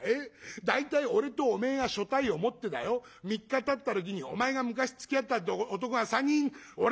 大体俺とおめえが所帯を持ってだよ３日たった時にお前が昔つきあったって男が３人俺のとこ訪ねてきたろ。